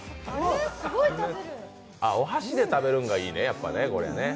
お箸で食べるんがいいね、やっぱりね。